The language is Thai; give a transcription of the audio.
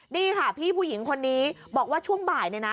นี่ค่ะพี่ผู้หญิงคนนี้บอกว่าช่วงบ่ายเนี่ยนะ